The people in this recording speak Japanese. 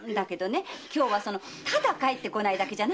今日はただ帰ってこないだけじゃないんだよ。